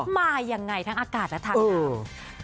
มายังไงทั้งอากาศและทางน้ำ